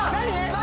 何！？